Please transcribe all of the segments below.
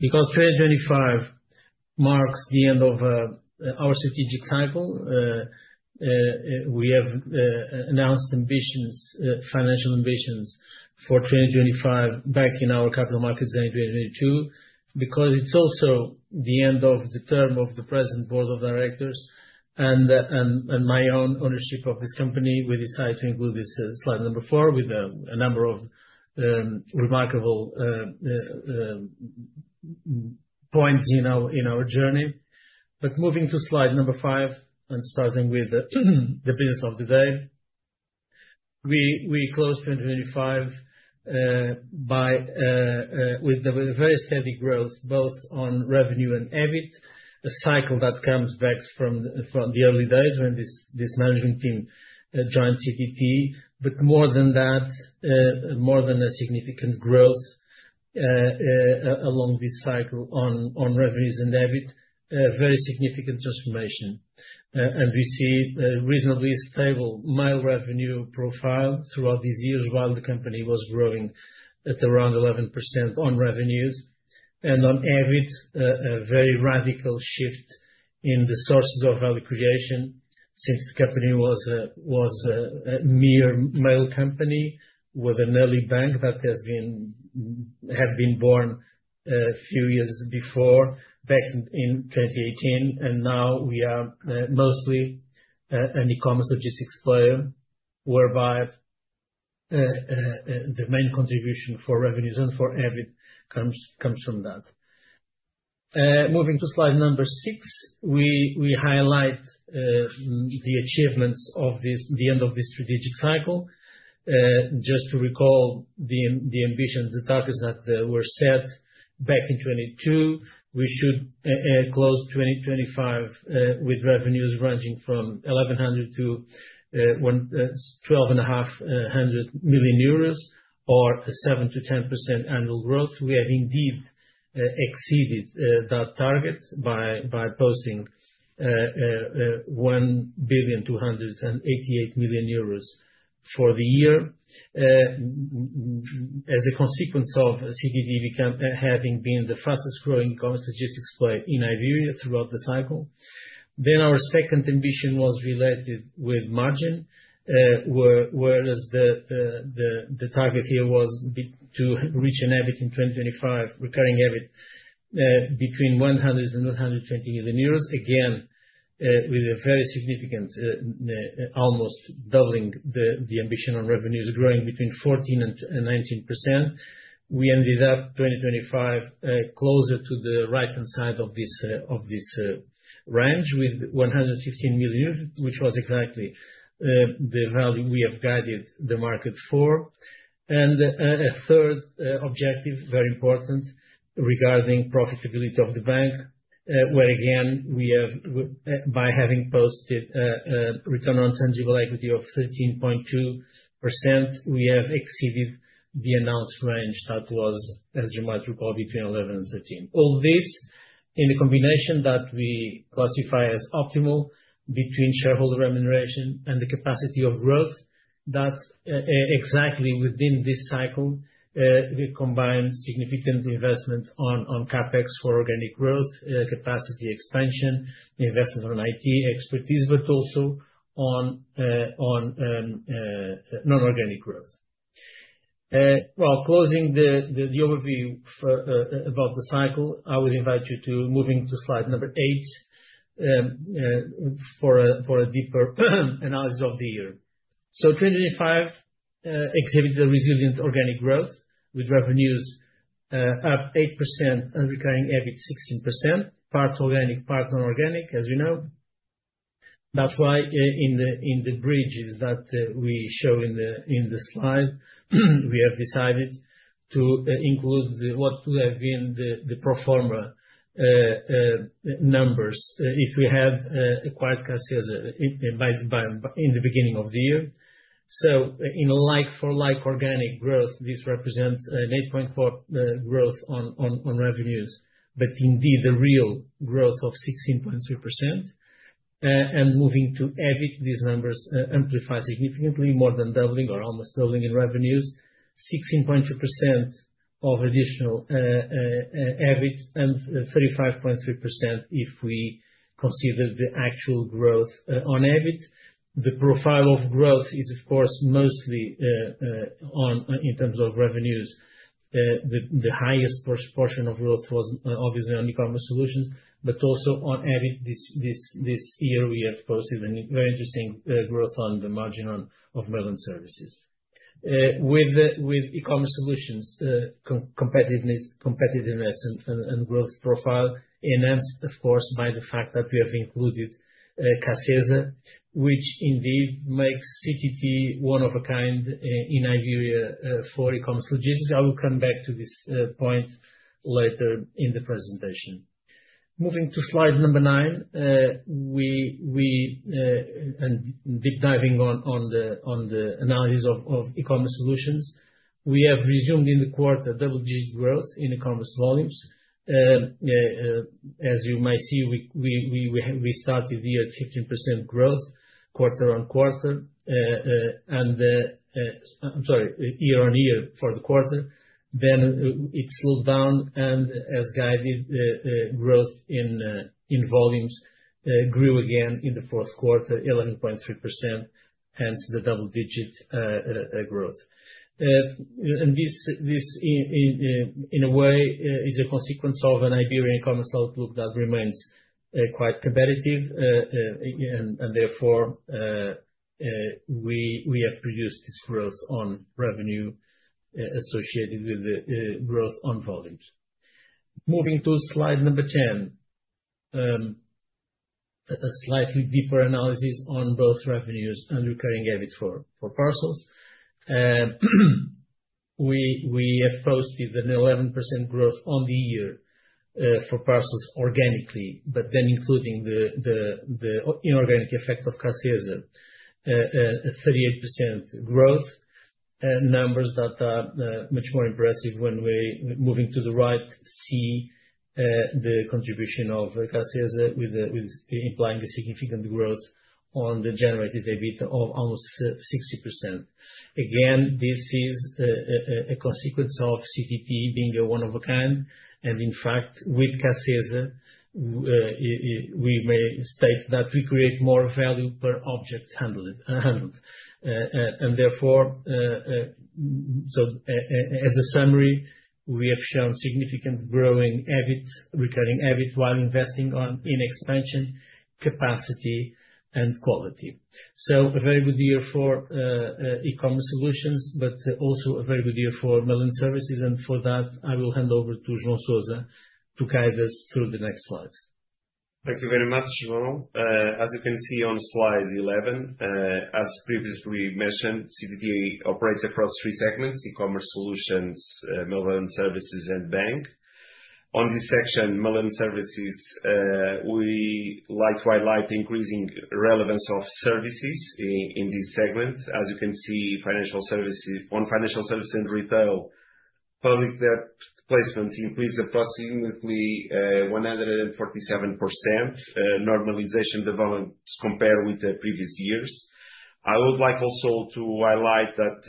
Because 2025 marks the end of our strategic cycle, we have announced financial ambitions for 2025 back in our Capital Markets Day in 2022. Because it's also the end of the term of the present board of directors and my own ownership of this company, we decided to include this slide number four with a number of remarkable points in our journey. Moving to slide number five, and starting with the business of the day. We closed 2025 with a very steady growth both on revenue and EBIT. A cycle that comes back from the early days when this management team joined CTT. More than that, more than a significant growth, along this cycle on revenues and EBIT, a very significant transformation. We see a reasonably stable mail revenue profile throughout these years, while the company was growing at around 11% on revenues. On EBIT, a very radical shift in the sources of value creation since the company was a mere mail company with an early bank that had been born a few years before, back in 2018. Now we are mostly an e-commerce logistics player, whereby the main contribution for revenues and for EBIT comes from that. Moving to slide number 6, we highlight the achievements of the end of this strategic cycle. Just to recall the ambitions, the targets that were set back in 2022. We should close 2025 with revenues ranging from 1,100 million euros to 1,250 million or 7%-10% annual growth. We have indeed exceeded that target by posting 1,288 million euros for the year. As a consequence of CTT having been the fastest growing commerce logistics player in Iberia throughout the cycle. Our second ambition was related with margin, where the target here was to reach an EBIT in 2025, recurring EBIT, between 100 million euros and 120 million euros. Again, with a very significant, nearly doubling the ambition on revenues growing between 14% and 19%. We ended up 2025, closer to the right-hand side of this range with 115 million, which was exactly the value we have guided the market for. A third objective, very important regarding profitability of the bank, where again, by having posted a return on tangible equity of 13.2%, we have exceeded the announced range that was, as you might recall, between 11% and 13%. All this in a combination that we classify as optimal between shareholder remuneration and the capacity of growth. That exactly within this cycle, we combine significant investment on CapEx for organic growth, capacity expansion, investment on IT expertise, but also on non-organic growth. While closing the overview for about the cycle, I would invite you to moving to slide number eight for a deeper analysis of the year. 2025 exhibited a resilient organic growth with revenues up 8% and recurring EBIT 16%, part organic, part non-organic, as you know. That's why in the bridges that we show in the slide, we have decided to include the what would have been the pro forma numbers if we had acquired Cacesa in the beginning of the year. In like for like organic growth, this represents an 8.4% growth on revenues. Indeed the real growth of 16.3%. Moving to EBIT, these numbers amplify significantly, more than doubling or almost doubling in revenues. 16.2% of additional EBIT and 35.3% if we consider the actual growth on EBIT. The profile of growth is, of course, mostly in terms of revenues. The highest portion of growth was obviously on e-commerce Solutions, but also on EBIT. This year we have posted a very interesting growth on the margin of Mail and Services. With e-commerce solutions, competitiveness and growth profile enhanced, of course, by the fact that we have included Cacesa, which indeed makes CTT one of a kind in Iberia for e-commerce logistics. I will come back to this point later in the presentation. Moving to slide number 9, deep diving on the analysis of e-commerce solutions. We have resumed in the quarter double-digit growth in e-commerce volumes. As you might see, we started the year at 15% growth quarter-on-quarter, and I'm sorry, year-on-year for the quarter. Then it slowed down, and as guided, growth in volumes grew again in the fourth quarter, 11.3%, hence the double-digit growth. This in a way is a consequence of an Iberian e-commerce outlook that remains quite competitive. Therefore, we have produced this growth on revenue associated with the growth on volumes. Moving to slide number 10. A slightly deeper analysis on both revenues and recurring EBIT for parcels. We have posted an 11% growth on the year for parcels organically. Then including the inorganic effect of Cacesa, 38% growth. Numbers that are much more impressive when we, moving to the right, see the contribution of Cacesa with implying the significant growth on the generated EBIT of almost 60%. This is a consequence of CTT being one of a kind, and in fact, with Cacesa, we may state that we create more value per object handled. Therefore, as a summary, we have shown significant growing EBIT, recurring EBIT, while investing in expansion, capacity and quality. A very good year for e-commerce solutions, but also a very good year for mail and services. For that, I will hand over to João Sousa to guide us through the next slides. Thank you very much, João. As you can see on Slide 11, as previously mentioned, CTT operates across three segments: e-commerce solutions, mail and services, and bank. On this section, mail and services, we like to highlight the increasing relevance of services in this segment. As you can see, financial services, on financial services and retail, public debt placement increased approximately 147%, normalization development compared with the previous years. I would like also to highlight that,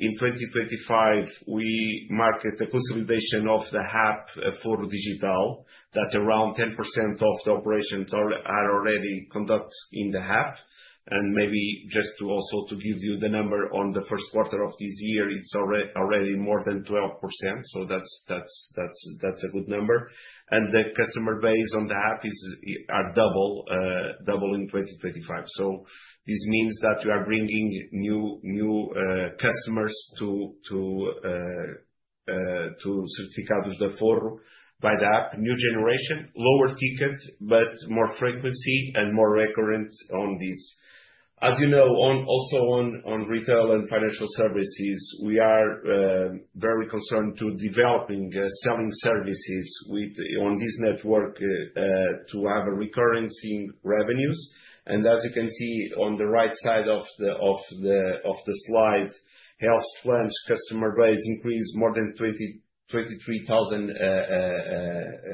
in 2025, we market the consolidation of the app for digital. That around 10% of the operations are already conducted in the app. Maybe just to also give you the number on the first quarter of this year, it's already more than 12%. That's a good number. The customer base on the app is double in 2025. This means that we are bringing new customers to Certificados de Aforro by the app. New generation, lower ticket, but more frequency and more recurrence on this. As you know, also on retail and financial services, we are very committed to developing certain services on this network to have recurring in revenues. As you can see on the right side of the slide, health plans customer base increased more than 23,000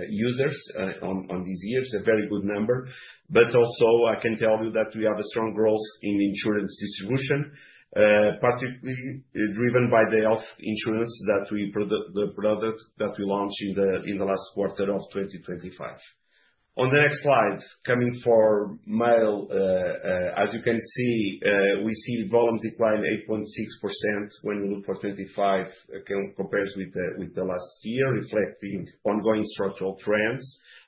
users on this year. It's a very good number. I can tell you that we have a strong growth in insurance distribution, particularly driven by the health insurance product that we launched in the last quarter of 2025. On the next slide, for mail, as you can see, we see volumes decline 8.6% when we look at 2025 compared with the last year, reflecting ongoing structural trends.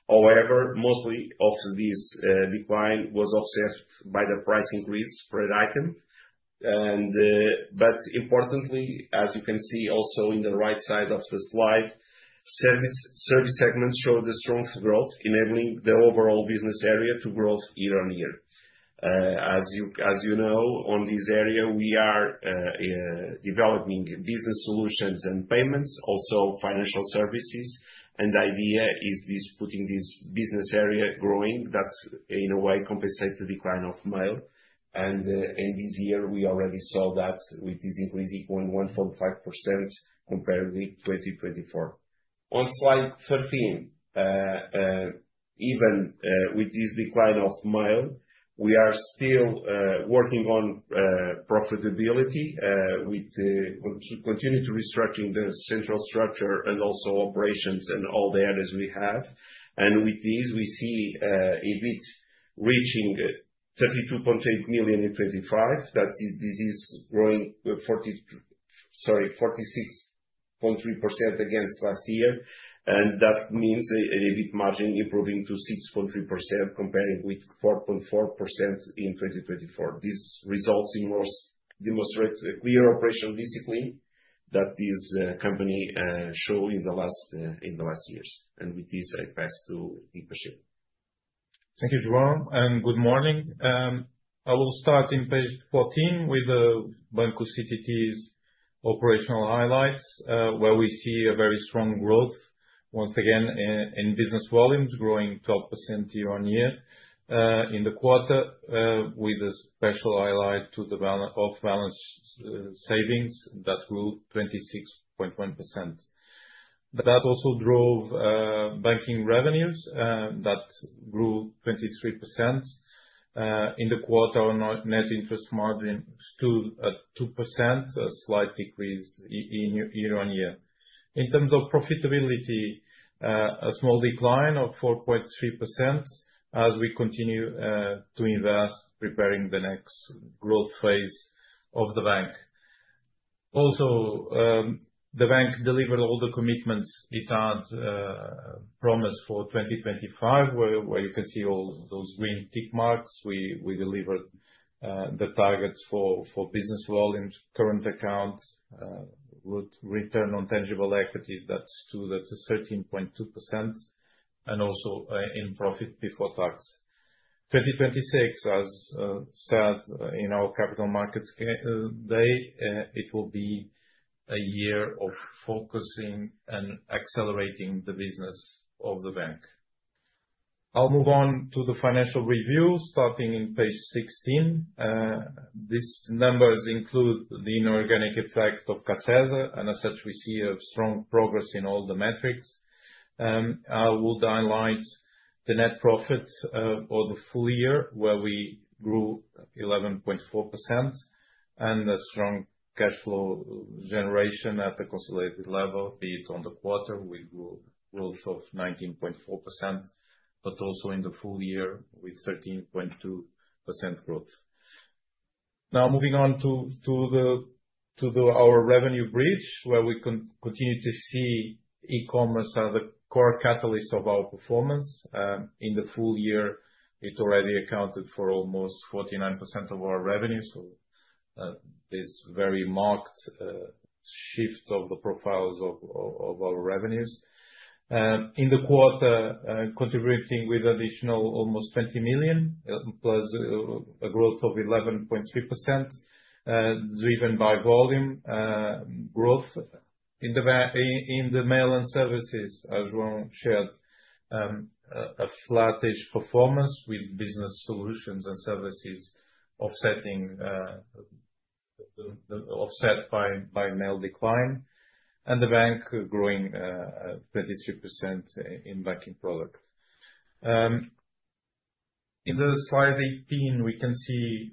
However, most of this decline was offset by the price increase per item. But importantly, as you can see also in the right side of the slide, service segments showed a strong growth, enabling the overall business area to grow year on year. As you know, in this area, we are developing business solutions and payments, also financial services. The idea is this, putting this business area growing, that in a way compensates the decline of mail. In this year, we already saw that with this increase equaling 1.5% compared with 2024. On Slide 13, even with this decline of mail, we are still working on profitability with continue to restructuring the central structure and also operations and all the areas we have. With this, we see EBIT reaching 32.8 million in 2025. That is, this is growing 46.3% against last year. That means an EBIT margin improving to 6.3% comparing with 4.4% in 2024. These results demonstrate a clear operational discipline that this company show in the last years. With this, I pass to Pacheco. Thank you, João, and good morning. I will start on page 14 with Banco CTT's operational highlights, where we see a very strong growth, once again in business volumes, growing 12% year-on-year in the quarter, with a special highlight to the off-balance-sheet savings that grew 26.1%. That also drove banking revenues that grew 23% in the quarter. Our net interest margin stood at 2%, a slight decrease in year-on-year. In terms of profitability, a small decline of 4.3% as we continue to invest preparing the next growth phase of the bank. Also, the bank delivered all the commitments it had promised for 2025, where you can see all those green tick marks. We delivered the targets for business volumes, current accounts, with return on tangible equity that's 13.2%, and also in profit before tax. 2026, as said in our Capital Markets Day, it will be a year of focusing and accelerating the business of the bank. I'll move on to the financial review starting in page 16. These numbers include the inorganic effect of Cacesa, and as such, we see a strong progress in all the metrics. I will highlight the net profits for the full year, where we grew 11.4%, and a strong cash flow generation at the consolidated level. In the quarter, we grew 19.4%, but also in the full year with 13.2% growth. Now moving on to our revenue bridge, where we continue to see e-commerce as a core catalyst of our performance. In the full year, it already accounted for almost 49% of our revenue, so this very marked shift of the profiles of our revenues. In the quarter, contributing with additional almost 20 million plus a growth of 11.3%, driven by volume growth. In the Mail and Services, as João shared, a flattish performance with business solutions and services offsetting offset by mail decline, and the bank growing 23% in banking products. In the Slide 18, we can see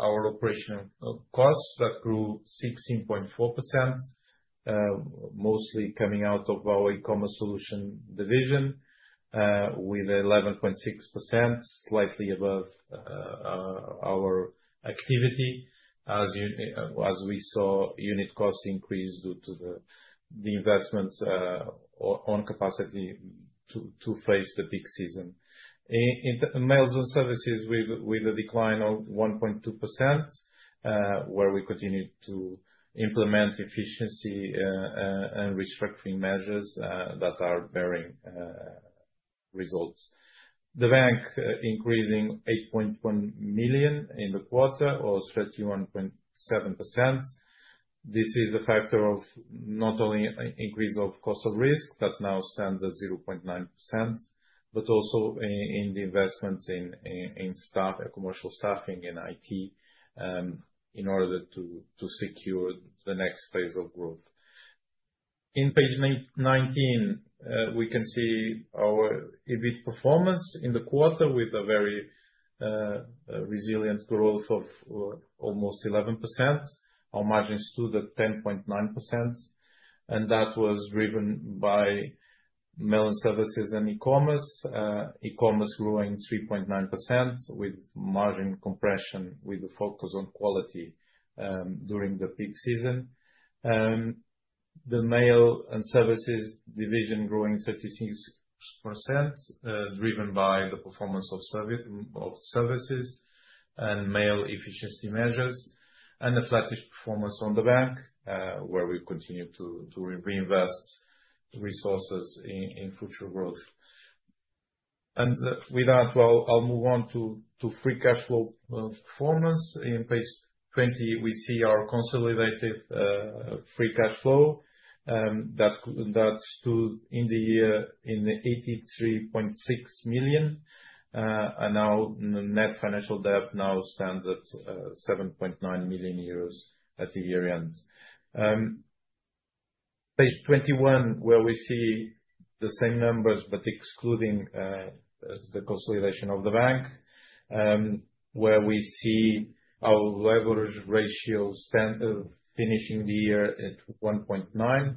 our operational costs that grew 16.4%, mostly coming out of our e-commerce Solutions division, with 11.6% slightly above our activity. As we saw unit costs increase due to the investments on capacity to face the peak season. In the Mail and Services with a decline of 1.2%, where we continue to implement efficiency and restructuring measures that are bearing results. The bank increasing 8.1 million in the quarter, or 31.7%. This is a factor of not only increase of cost of risk, that now stands at 0.9%, but also in the investments in staff, commercial staffing and IT, in order to secure the next phase of growth. In page 19, we can see our EBIT performance in the quarter with a very resilient growth of almost 11%. Our margins stood at 10.9%, and that was driven by Mail and Services and e-commerce. e-commerce growing 3.9% with margin compression, with the focus on quality during the peak season. the Mail and Services division growing 36%, driven by the performance of services and mail efficiency measures, and a flattish performance on the bank, where we continue to reinvest resources in future growth. With that, I'll move on to free cash flow performance. In page 20, we see our consolidated free cash flow that stood in the year in 83.6 million. Net financial debt stands at 7.9 million euros at the year-end. Page 21, where we see the same numbers, but excluding the consolidation of the bank, where we see our leverage ratio stand finishing the year at 1.9,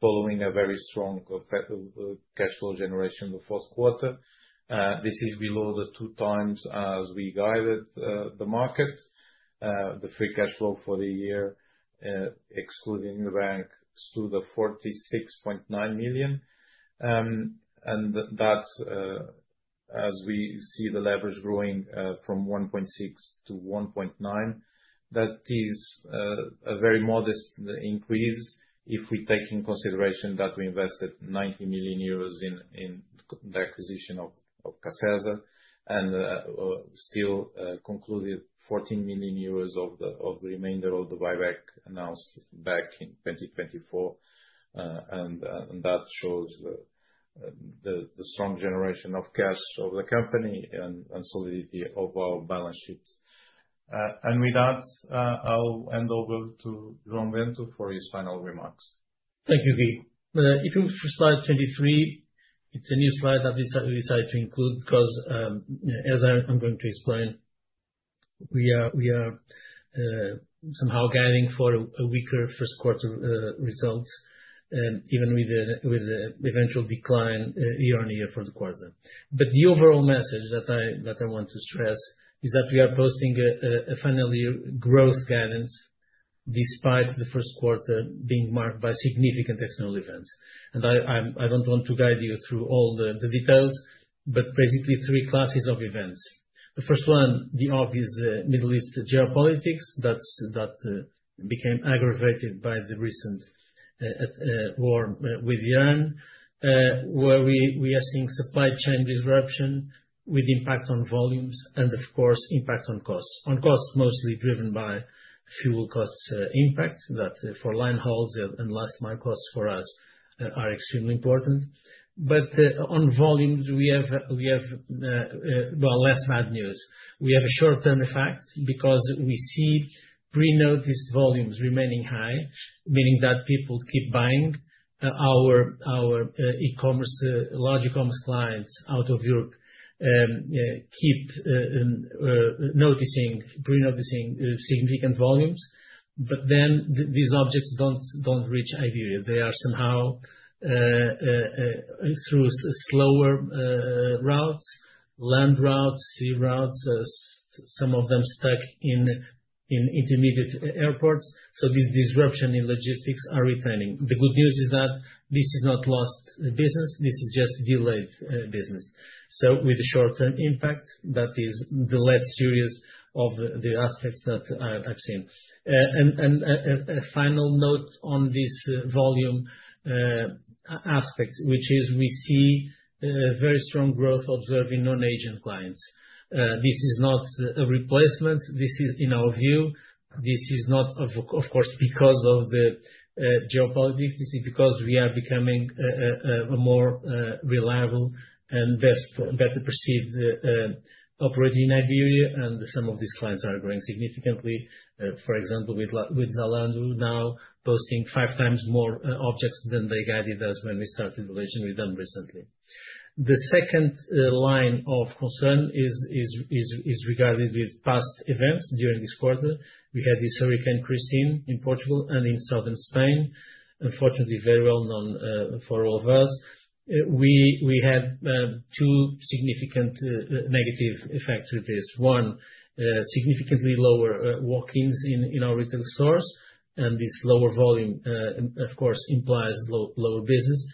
following a very strong cash flow generation in the first quarter. This is below the 2x as we guided the market. The Free Cash Flow for the year excluding the bank stood at 46.9 million. As we see the leverage growing from 1.6 to 1.9, that is a very modest increase if we take into consideration that we invested 90 million euros in the acquisition of Cacesa and still concluded 14 million euros of the remainder of the buyback announced back in 2024. That shows the strong generation of cash of the company and solidity of our balance sheets. With that, I'll hand over to João Bento for his final remarks. Thank you, Guy. If you Slide 23, it's a new slide that we decided to include because, as I'm going to explain, we are somehow guiding for a weaker first quarter results, even with the eventual decline year-on-year for the quarter. The overall message that I want to stress is that we are posting a final year growth guidance despite the first quarter being marked by significant external events. I don't want to guide you through all the details, but basically three classes of events. The first one, the obvious, Middle East geopolitics that's became aggravated by the recent war with Iran, where we are seeing supply chain disruption with impact on volumes and of course impact on costs. On costs mostly driven by fuel costs, the impact that for line hauls and last mile costs for us are extremely important. On volumes we have, well, less bad news. We have a short-term effect because we see pre-noticed volumes remaining high, meaning that people keep buying. Our large e-commerce clients out of Europe keep pre-noticing significant volumes. These objects don't reach Iberia. They are somehow through slower routes, land routes, sea routes, some of them stuck in intermediate airports. This disruptions in logistics are returning. The good news is that this is not lost business. This is just delayed business. With the short-term impact, that is the less serious of the aspects that I've seen. A final note on this volume aspect, which is we see very strong growth observing non-Asian clients. This is not a replacement. This is in our view. This is not, of course, because of the geopolitics. This is because we are becoming a more reliable and better perceived operator in Iberia, and some of these clients are growing significantly. For example, with Zalando now posting five times more objects than they guided us when we started the relationship recently. The second line of concern is regarding past events during this quarter. We had this Storm Kristin in Portugal and in southern Spain. Unfortunately, very well known for all of us. We had two significant negative effects with this. One, significantly lower walk-ins in our retail stores. This lower volume, of course, implies lower business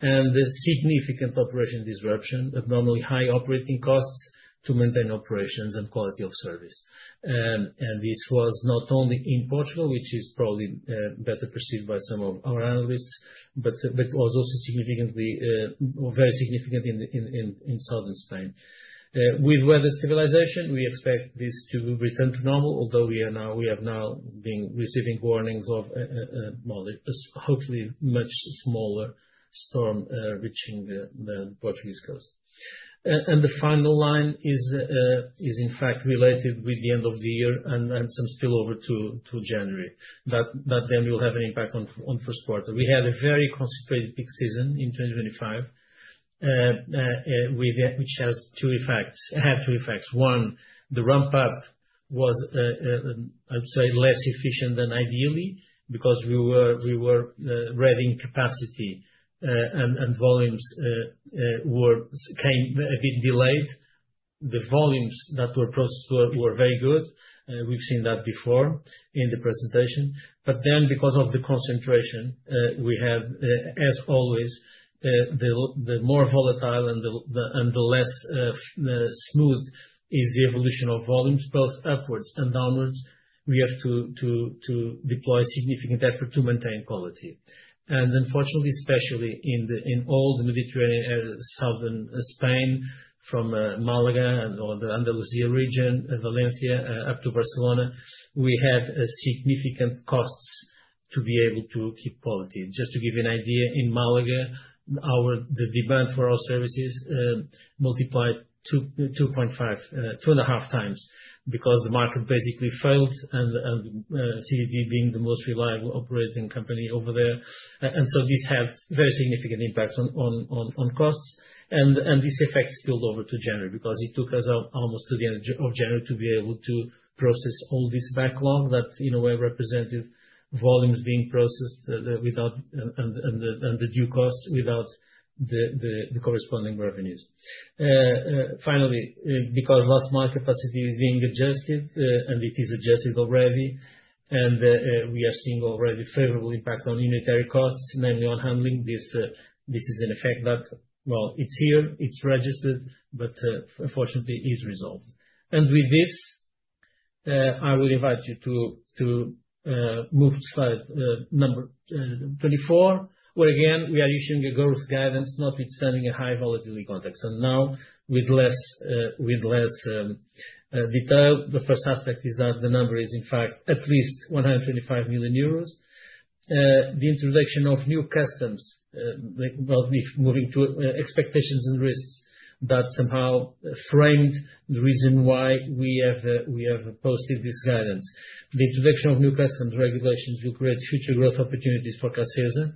and the significant operation disruption of normally high operating costs to maintain operations and quality of service. This was not only in Portugal, which is probably better perceived by some of our analysts, but was also significantly very significant in southern Spain. With weather stabilization, we expect this to return to normal. Although we have now been receiving warnings of, well, hopefully much smaller storm reaching the Portuguese coast. The final line is in fact related with the end of the year and some spillover to January. That then will have an impact on first quarter. We had a very concentrated peak season in 2025, which has two effects. It had two effects. One, the ramp up was, I would say less efficient than ideally because we were ready in capacity, and volumes came a bit delayed. The volumes that were processed were very good. We've seen that before in the presentation. Because of the concentration, we have as always, the more volatile and the less smooth is the evolution of volumes, both upwards and downwards. We have to deploy significant effort to maintain quality. Unfortunately, especially in the whole Mediterranean, southern Spain from Málaga and on the Andalucía region, Valencia up to Barcelona, we had significant costs to be able to keep quality. Just to give you an idea, in Málaga, the demand for our services multiplied 2.5 times because the market basically failed and us being the most reliable operating company over there. This had very significant impacts on costs and this effect spilled over to January because it took us until almost the end of January to be able to process all this backlog that in a way represented volumes being processed without the due costs, without the corresponding revenues. Finally, because last mile capacity is being adjusted, and it is adjusted already and we are seeing already favorable impact on unit costs, namely on handling this is an effect that well it's here, it's registered, but fortunately is resolved. With this I will invite you to move to Slide number 24, where again, we are issuing a growth guidance, notwithstanding a high volatility context. Now with less detail. The first aspect is that the number is in fact at least 125 million euros. The introduction of new customs, like, well, if moving to expectations and risks that somehow framed the reason why we have posted this guidance. The introduction of new customs regulations will create future growth opportunities for Cacesa,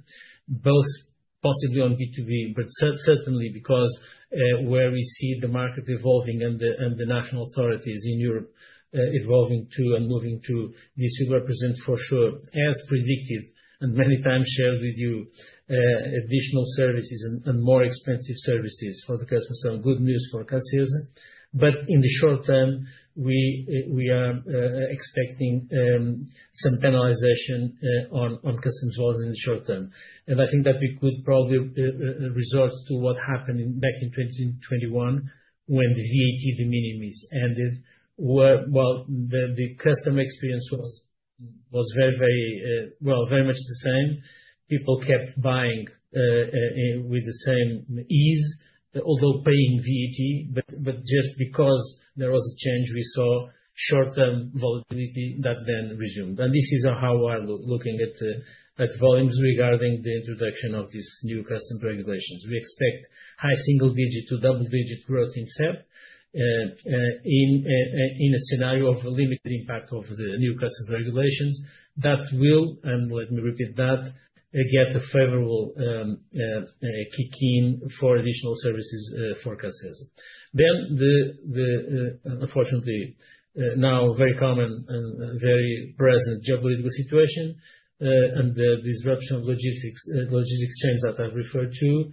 both possibly on B2B, but certainly because where we see the market evolving and the national authorities in Europe evolving to and moving to, this will represent for sure, as predicted and many times shared with you, additional services and more expensive services for the customers, so good news for Cacesa. But in the short term, we are expecting some penalization on customs laws in the short term. I think that we could probably resort to what happened back in 2021 when the VAT de minimis ended, where the customer experience was very much the same. People kept buying with the same ease, although paying VAT. Just because there was a change, we saw short-term volatility that then resumed. This is how we are looking at volumes regarding the introduction of these new customs regulations. We expect high single digit to double-digit growth in CEP in a scenario of a limited impact of the new customs regulations that will, and let me repeat that, get a favorable kick in for additional services for Cacesa. Unfortunately, now very common and very present geopolitical situation and the disruption of logistics chains that I've referred to,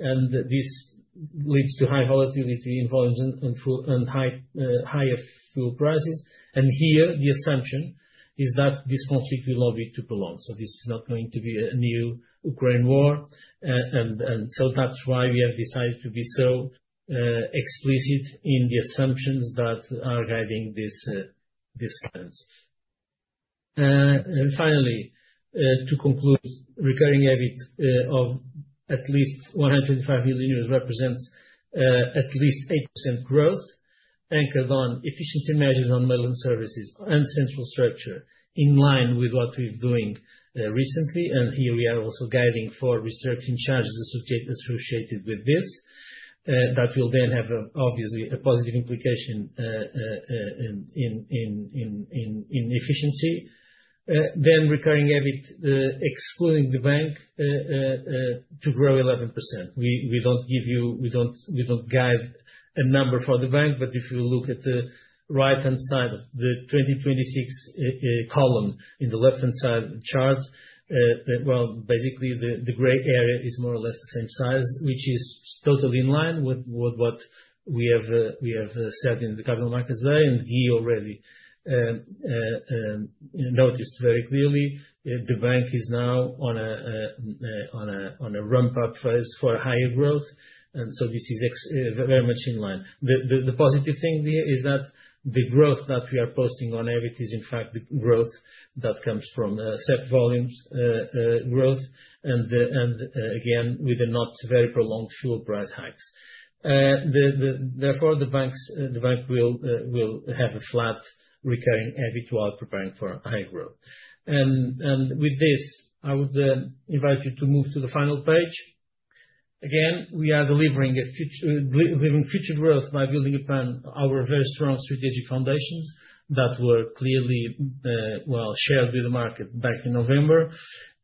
and this leads to high volatility in volumes and fuel and higher fuel prices. The assumption is that this conflict will not be too prolonged. This is not going to be a new Ukraine war. That's why we have decided to be so explicit in the assumptions that are guiding this guidance. Finally, to conclude, recurring EBIT of at least 125 million euros represents at least 8% growth anchored on efficiency measures on Mail & Services and central structure in line with what we're doing recently. Here we are also guiding for restructuring charges associated with this that will then have, obviously, a positive implication in efficiency. Recurring EBIT excluding the bank to grow 11%. We don't guide a number for the bank. If you look at the right-hand side of the 2026 column in the left-hand side of the chart, well, basically the gray area is more or less the same size, which is totally in line with what we have said in the Capital Markets Day. We have already noticed very clearly, the bank is now on a ramp up phase for higher growth. This is very much in line. The positive thing here is that the growth that we are posting on EBIT is in fact the growth that comes from CEP volumes growth. Again, with the not very prolonged fuel price hikes. The bank will have a flat recurring EBIT while preparing for high growth. With this, I would invite you to move to the final page. Again, we are delivering future growth by building upon our very strong strategic foundations that were clearly shared with the market back in November.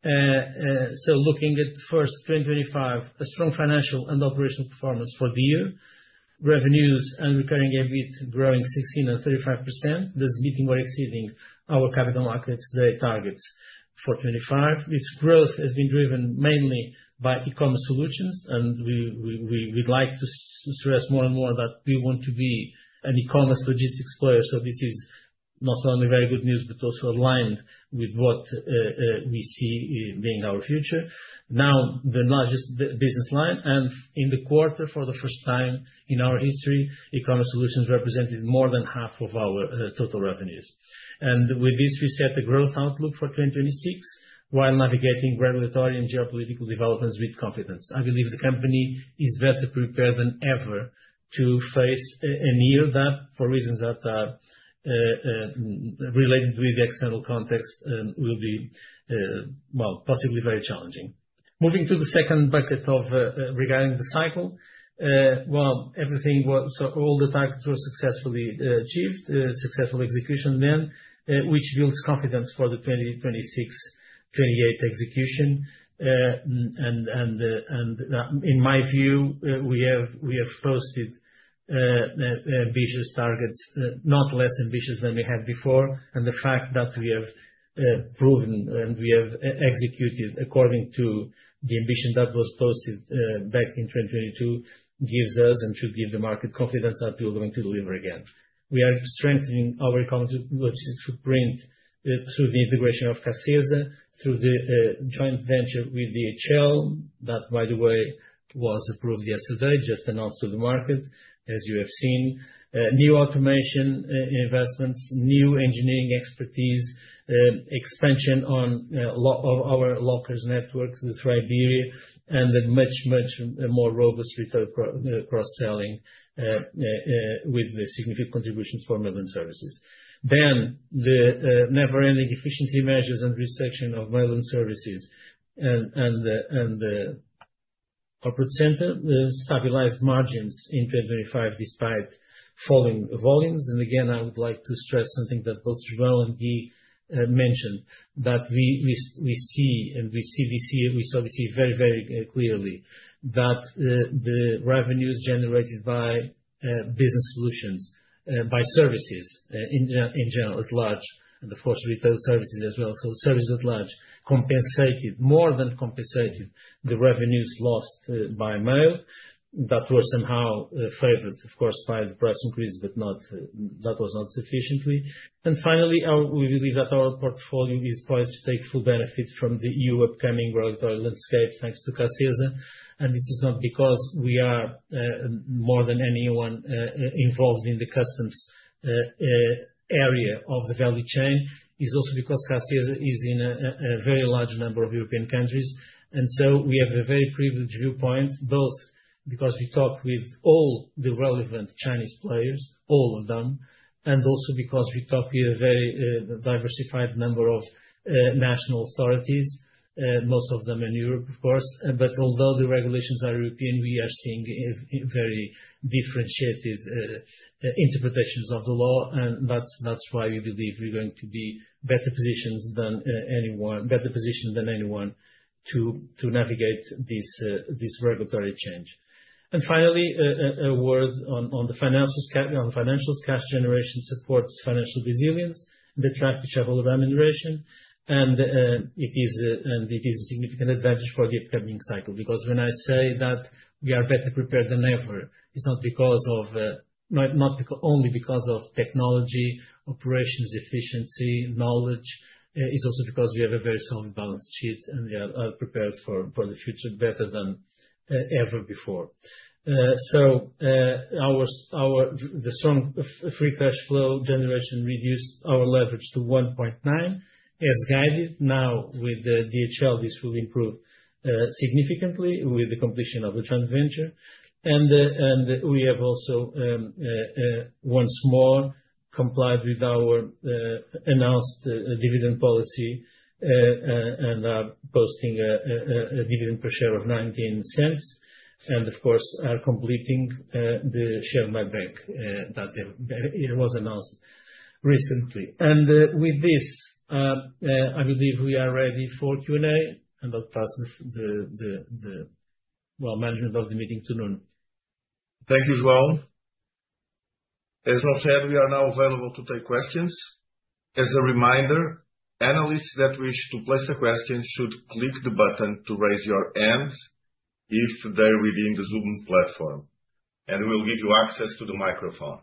Looking at 2025, a strong financial and operational performance for the year. Revenues and recurring EBIT growing 16% and 35%, thus meeting or exceeding our Capital Markets Day targets for 2025. This growth has been driven mainly by e-commerce Solutions. We'd like to stress more and more that we want to be an e-commerce logistics player. This is not only very good news, but also aligned with what we see being our future. Now, the largest business line and in the quarter for the first time in our history, e-commerce Solutions represented more than half of our total revenues. With this, we set the growth outlook for 2026 while navigating regulatory and geopolitical developments with confidence. I believe the company is better prepared than ever to face a year that, for reasons that are related with the external context, will be possibly very challenging. Moving to the second bucket of regarding the cycle. Everything was successfully achieved, successful execution then, which builds confidence for the 2026-2028 execution. In my view, we have posted ambitious targets, not less ambitious than we had before. The fact that we have proven and we have executed according to the ambition that was posted back in 2022 gives us and should give the market confidence that we're going to deliver again. We are strengthening our e-commerce logistics footprint through the integration of Cacesa, through the joint venture with DHL. That, by the way, was approved yesterday, just announced to the market, as you have seen. New automation investments, new engineering expertise, expansion on our lockers networks through Iberia, and a much more robust retail cross-selling with the significant contributions for Mail & Services. The never-ending efficiency measures and reduction of Mail & Services and corporate center stabilized margins in 2025 despite falling volumes. I would like to stress something that both João Sousa and Guy Pacheco mentioned, that we see we obviously very clearly that the revenues generated by business solutions by services in general at large and of course retail services as well. Services at large compensated more than compensated the revenues lost by mail that were somehow favored of course by the price increase but not that was not sufficiently. Finally, we believe that our portfolio is poised to take full benefit from the EU upcoming regulatory landscape, thanks to Cacesa. This is not because we are more than anyone involved in the customs area of the value chain. It's also because Cacesa is in a very large number of European countries, and so we have a very privileged viewpoint, both because we talk with all the relevant Chinese players, all of them, and also because we talk with a very diversified number of national authorities, most of them in Europe, of course. Although the regulations are European, we are seeing a very differentiated interpretations of the law. That's why we believe we're going to be better positioned than anyone to navigate this regulatory change. Finally, a word on the financials cash generation supports financial resilience and attractive shareholder remuneration. It is a significant advantage for the upcoming cycle. Because when I say that we are better prepared than ever, it's not only because of technology, operations, efficiency, knowledge. It's also because we have a very sound balance sheet and we are prepared for the future better than ever before. The strong Free Cash Flow generation reduced our leverage to 1.9 as guided. Now with the DHL, this will improve significantly with the completion of the joint venture. We have also once more complied with our announced dividend policy and are posting a dividend per share of 0.19 EUR. Of course we are completing the share buyback that it was announced recently. With this, I believe we are ready for Q&A, and I'll pass, well, management of the meeting to Nuno. Thank you, João. As of yet, we are now available to take questions. As a reminder, analysts that wish to place a question should click the button to raise your hand if they're within the Zoom platform, and we'll give you access to the microphone.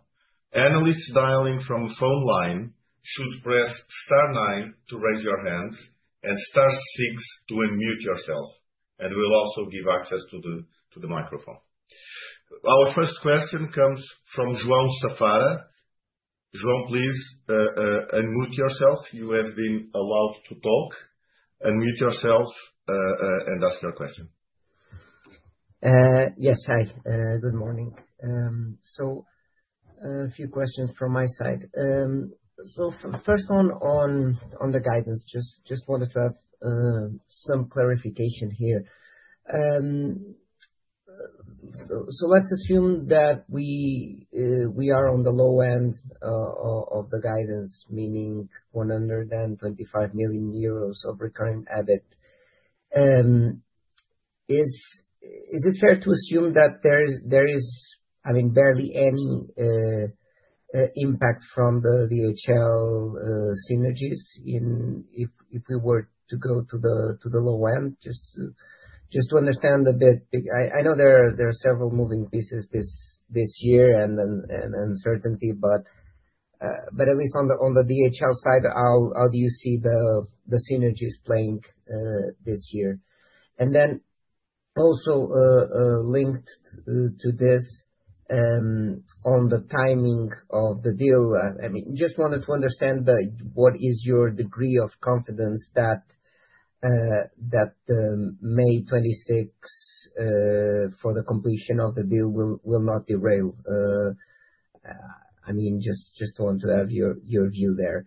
Analysts dialing from phone line should press star nine to raise your hand and star six to unmute yourself, and we'll also give access to the microphone. Our first question comes from João Safara. João, please, unmute yourself. You have been allowed to talk. Unmute yourself, and ask your question. Yes. Hi. Good morning. So a few questions from my side. So first one on the guidance. Just wanted to have some clarification here. So let's assume that we are on the low end of the guidance, meaning 125 million euros of recurring EBIT. Is it fair to assume that there is, I mean, barely any impact from the DHL synergies in. If we were to go to the low end? Just to understand a bit. I know there are several moving pieces this year and uncertainty. But at least on the DHL side, how do you see the synergies playing this year? Also, linked to this, on the timing of the deal. I mean, just wanted to understand, like, what is your degree of confidence that May 26 for the completion of the deal will not derail? I mean, just want to have your view there.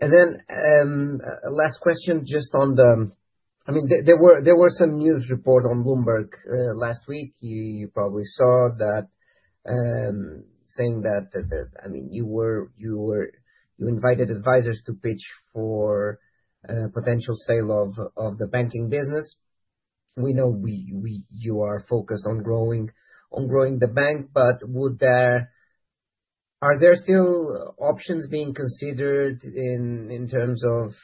Last question, just on the. I mean, there were some news report on Bloomberg last week. You probably saw that, saying that, I mean, you invited advisors to pitch for potential sale of the banking business. We know you are focused on growing the bank, but would there. Are there still options being considered in terms of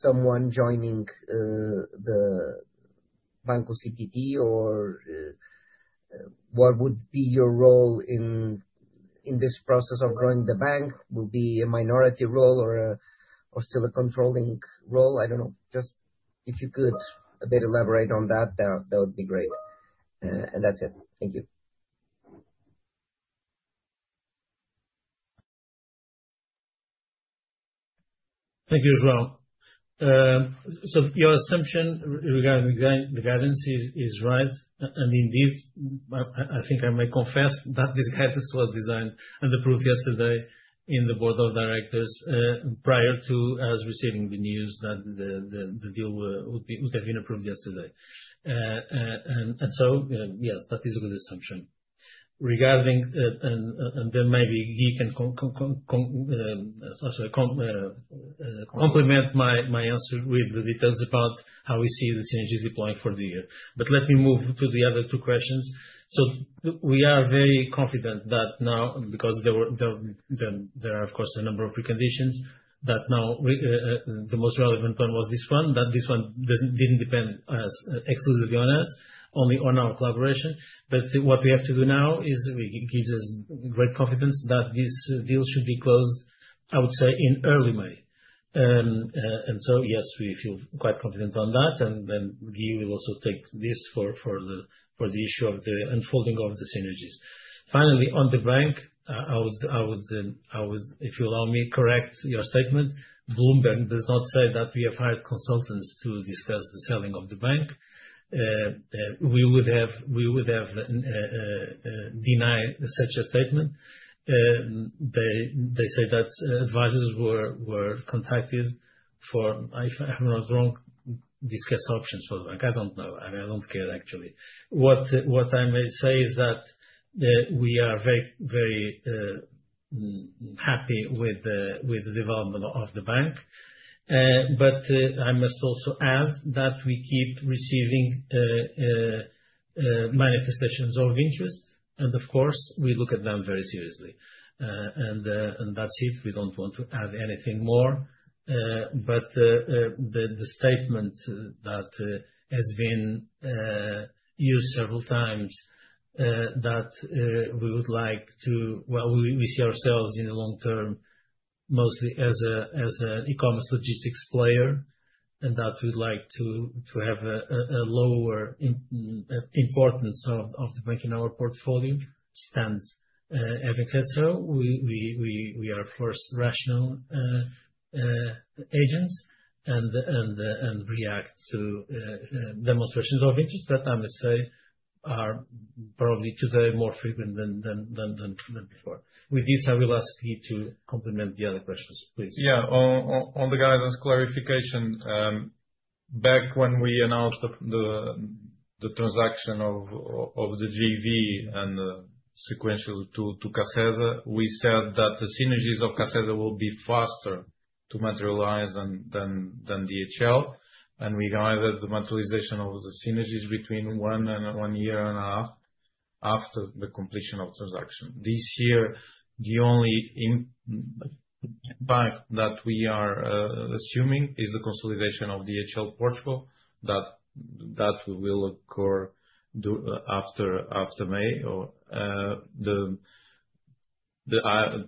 someone joining the Banco CTT? What would be your role in this process of growing the bank? Will be a minority role or still a controlling role? I don't know. Just if you could a bit elaborate on that would be great. That's it. Thank you. Thank you, João. Your assumption regarding the guidance is right. Indeed, I think I may confess that this guidance was designed and approved yesterday in the board of directors prior to us receiving the news that the deal would have been approved yesterday. Yes, that is a good assumption. Regarding, Guy can complement my answer with the details about how we see the synergies deploying for the year. Let me move to the other two questions. We are very confident that now, because there were... There are of course a number of preconditions that now we the most relevant one was this one, that this one didn't depend on us, exclusively on us, only on our collaboration. What we have to do now is it gives us great confidence that this deal should be closed, I would say, in early May. Yes, we feel quite confident on that. Then Guy will also take this for the issue of the unfolding of the synergies. Finally, on the bank, I would, if you allow me, correct your statement. Bloomberg does not say that we have hired consultants to discuss the selling of the bank. We would have denied such a statement. They say that advisors were contacted, if I'm not wrong, to discuss options for the bank. I don't know. I mean, I don't care actually. What I may say is that we are very happy with the development of the bank. I must also add that we keep receiving manifestations of interest, and of course we look at them very seriously. That's it. We don't want to add anything more. The statement that has been used several times, that we would like to well, we see ourselves in the long term mostly as a e-commerce logistics player, and that we would like to have a lower importance of the bank in our portfolio stands. Having said so, we are of course rational agents and react to demonstrations of interest that I must say are probably today more frequent than before. With this, I will ask you to complement the other questions, please. On the guidance clarification, back when we announced the transaction of the JV and sequential to Cacesa, we said that the synergies of Cacesa will be faster to materialize than DHL. We guided the materialization of the synergies between 1 and 1.5 Years after the completion of transaction. This year, the only impact that we are assuming is the consolidation of DHL portfolio. That will occur after May.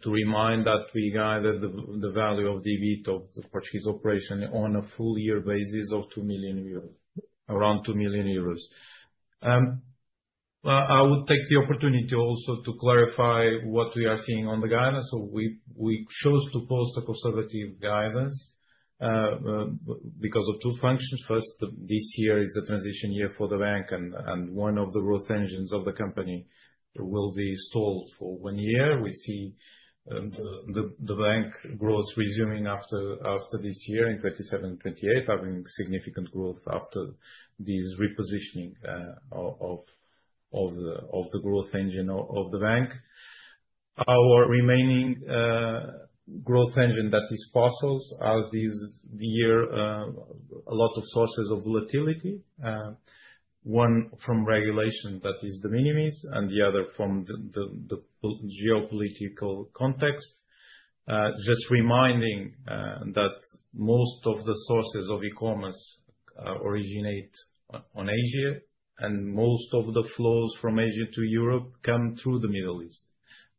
To remind that we guided the value of the EBIT of the purchase operation on a full year basis of 2 million euros. Around 2 million euros. I would take the opportunity also to clarify what we are seeing on the guidance. We chose to provide a conservative guidance because of two factors. First, this year is a transition year for the bank and one of the growth engines of the company will be stalled for one year. We see the bank growth resuming after this year in 2027, 2028, having significant growth after this repositioning of the growth engine of the bank. Our remaining growth engine, that is Parcels, has this year a lot of sources of volatility. One from regulation, that is the de minimis and the other from the geopolitical context. Just reminding that most of the sources of e-commerce originate in Asia, and most of the flows from Asia to Europe come through the Middle East.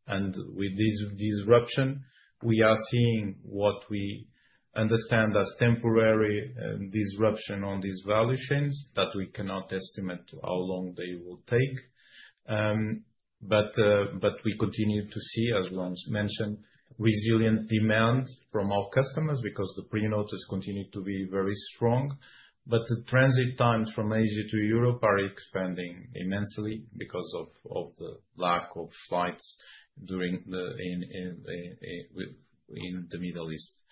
With this disruption, we are seeing what we understand as temporary disruption on these value chains that we cannot estimate how long they will take. But we continue to see, as João's mentioned, resilient demand from our customers because the pre-notices continue to be very strong. But the transit times from Asia to Europe are expanding immensely because of the lack of flights in the Middle East.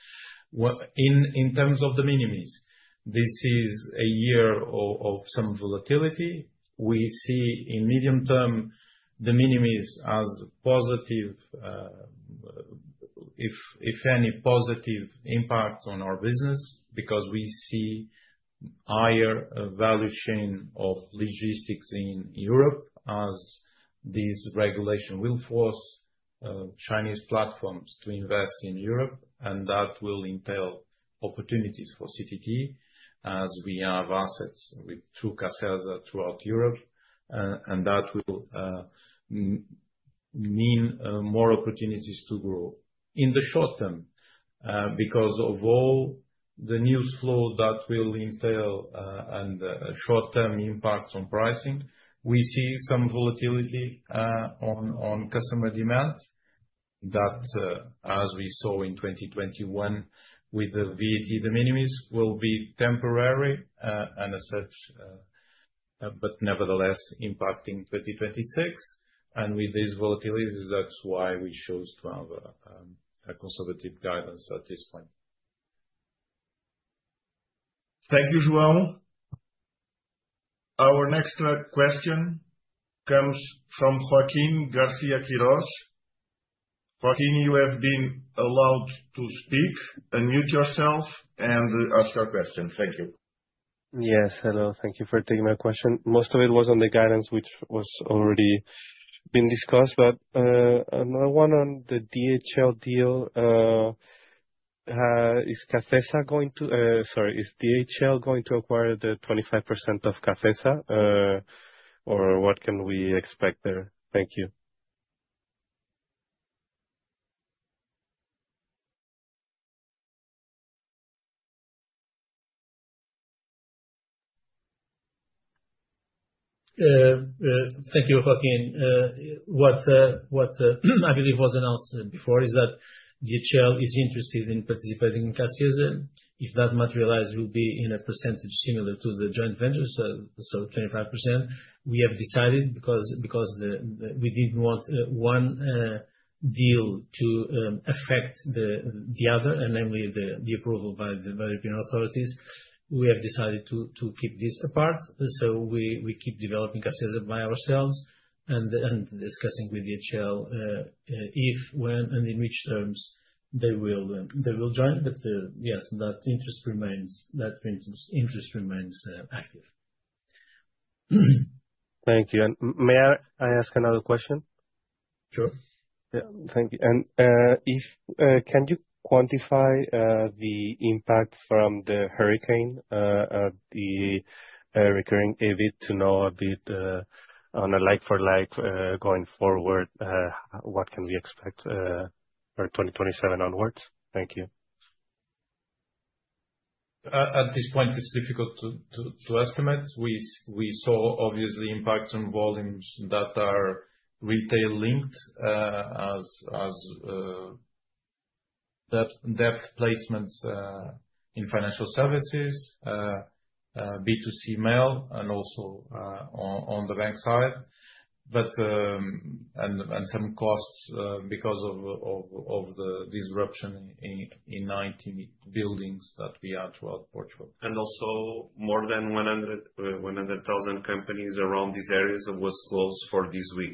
In terms of the de minimis, this is a year of some volatility. We see in medium term the de minimis as positive, if any, positive impact on our business because we see higher value chain of logistics in Europe as this regulation will force Chinese platforms to invest in Europe and that will entail opportunities for CTT as we have assets with, through Cacesa throughout Europe. And that will mean more opportunities to grow. In the short term, because of all the new flow that will entail, short term impacts on pricing. We see some volatility on customer demand that, as we saw in 2021 with the VAT de minimis will be temporary, and as such, but nevertheless, impacting 2026. With these volatilities, that's why we chose to have a conservative guidance at this point. Thank you, João. Our next question comes from Joaquín Quirós. Joaquín, you have been allowed to speak. Unmute yourself and ask your question. Thank you. Yes, hello. Thank you for taking my question. Most of it was on the guidance, which was already been discussed. Another one on the DHL deal. Is DHL going to acquire the 25% of Cacesa, or what can we expect there? Thank you. Thank you, Joaquín. What I believe was announced before is that DHL is interested in participating in Cacesa. If that materializes, it will be in a percentage similar to the joint venture, so 25%. We have decided because we didn't want one deal to affect the other, and then we have the approval by the European authorities. We have decided to keep this apart. We keep developing Cacesa by ourselves and discussing with DHL if, when, and in which terms they will join. Yes, that interest remains active. Thank you. May I ask another question? Sure. Yeah. Thank you. If you can quantify the impact from the hurricane at the recurring EBIT to know a bit on a like for like going forward, what can we expect for 2027 onwards? Thank you. At this point, it's difficult to estimate. We saw obvious impact on volumes that are retail-linked, as debt placements in financial services, B2C mail and also on the bank side. Some costs because of the disruption in 19 buildings that we have throughout Portugal. more than 100,000 companies around these areas was closed for this week.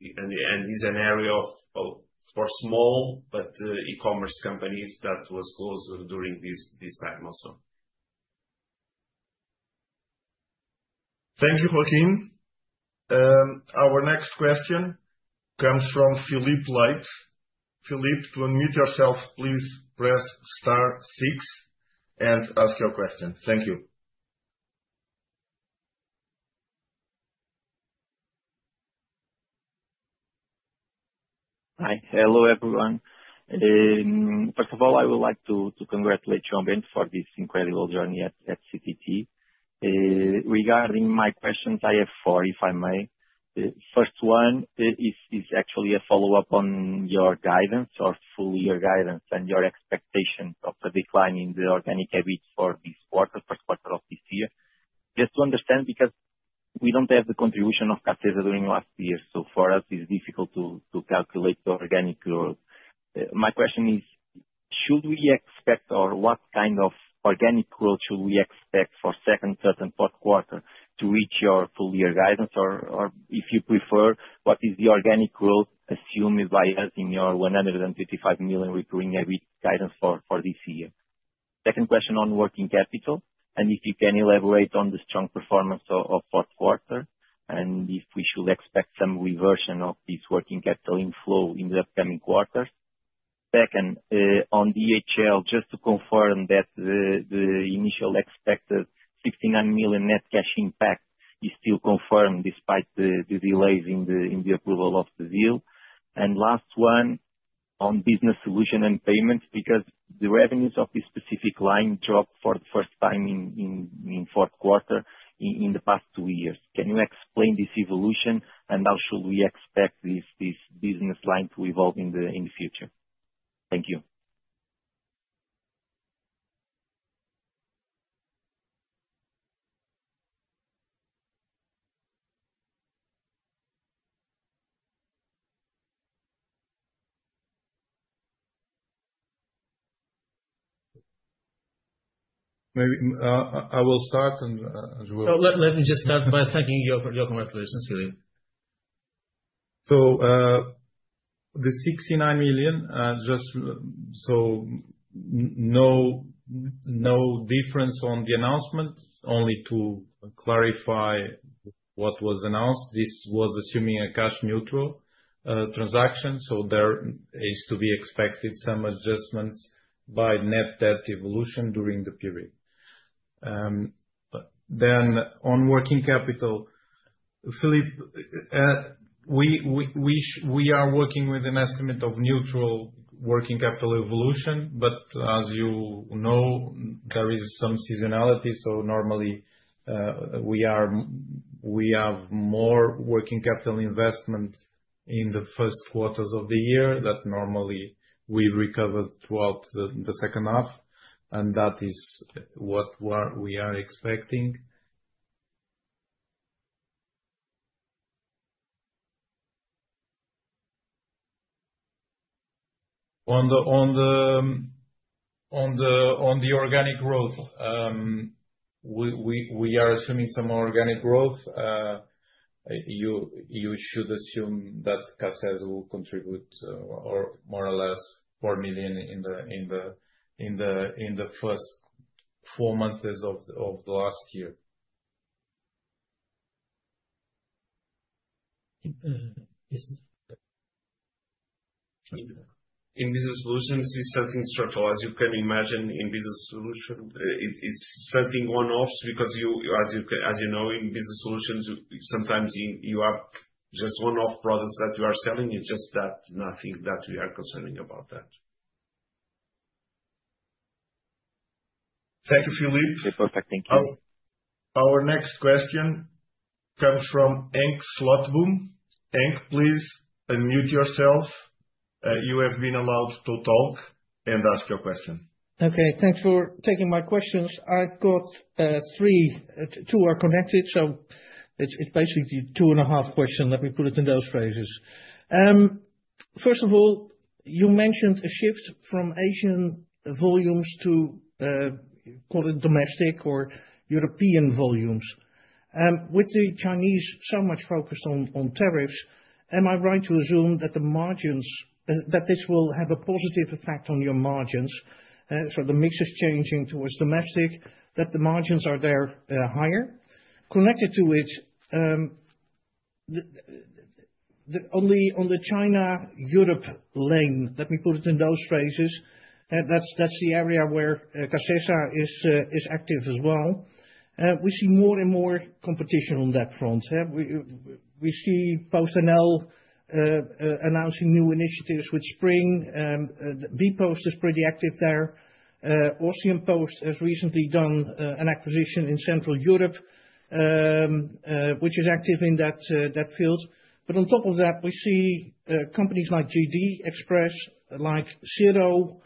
is an area for small but e-commerce companies that was closed during this time also. Thank you, Joaquín. Our next question comes from Filipe Leite. Filipe, to unmute yourself, please press star six and ask your question. Thank you. Hi. Hello, everyone. First of all, I would like to congratulate João Bento for this incredible journey at CTT. Regarding my questions, I have four, if I may. First one is actually a follow-up on your guidance or full year guidance and your expectation of the decline in the organic EBIT for this quarter, first quarter of this year. Just to understand, because we don't have the contribution of Cacesa during last year, so for us it's difficult to calculate the organic growth. My question is should we expect or what kind of organic growth should we expect for second, third and fourth quarter to reach your full year guidance? Or if you prefer, what is the organic growth assumed by us in your 155 million recurring EBIT guidance for this year? Second question on working capital, and if you can elaborate on the strong performance of fourth quarter and if we should expect some reversion of this working capital inflow in the upcoming quarters. Second, on DHL, just to confirm that the initial expected 69 million net cash impact is still confirmed despite the delays in the approval of the deal. Last one on business solutions and payments, because the revenues of this specific line dropped for the first time in fourth quarter in the past two years. Can you explain this evolution and how should we expect this business line to evolve in the future? Thank you. Maybe, I will start and, João- Let me just start by thanking you for your congratulations, Filipe. So, no difference on the announcement. Only to clarify what was announced. This was assuming a cash-neutral transaction. There is to be expected some adjustments by net debt evolution during the period. On working capital, Filipe, we are working with an estimate of neutral working capital evolution, but as you know, there is some seasonality, so normally, we have more working capital investment in the first quarters of the year that normally we recover throughout the second half, and that is what we are expecting. On the organic growth, we are assuming some organic growth. You should assume that Cacesa will contribute or more or less 4 million in the first four months of the last year. In business solutions, it's something structural. As you can imagine, in business solutions it's something one-off because as you know, in business solutions, sometimes you have just one-off products that you are selling. It's just that. Nothing that we are concerned about that. Thank you, Filipe. Okay. Perfect. Thank you. Our next question comes from Henk Slotboom. Henk, please unmute yourself. You have been allowed to talk and ask your question. Okay. Thanks for taking my questions. I've got three. Two are connected, so it's basically two and a half question. Let me put it in those phrases. First of all, you mentioned a shift from Asian volumes to call it domestic or European volumes. With the Chinese so much focused on tariffs, am I right to assume that this will have a positive effect on your margins? So the mix is changing towards domestic, that the margins are there higher. Connected to which, on the China/Europe lane, let me put it in those phrases, that's the area where Cacesa is active as well. We see more and more competition on that front. Yeah. We see PostNL announcing new initiatives with Spring. bpost is pretty active there. Austrian Post has recently done an acquisition in Central Europe, which is active in that field. On top of that, we see companies like JD Express, like Cainiao,